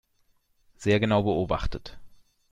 Sehr genau beobachtet.